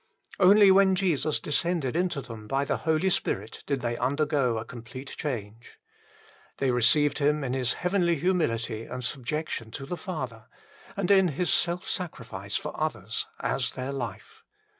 Only when Jesus descended into them by the Holy Spirit did they undergo a complete 1 Luke xxii. 24. HOW GLORIOUS IT IS 25 change. They received Him in His heavenly humility and subjection to the Father, and in His self sacrifice for others, as their life.